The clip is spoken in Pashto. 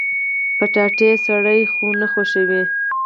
کچالو سړه خونه خوښوي